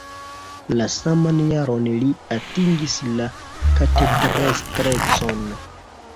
La saman jaron li atingis la katedestrecon.